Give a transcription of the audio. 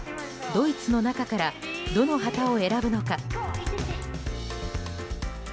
ドイツの中からどの旗を選ぶのか。